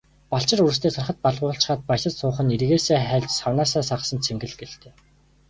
Балчир үрстээ сархад балгуулчхаад баясаж суух нь эргээсээ хальж, савнаасаа сагасан цэнгэл гэлтэй.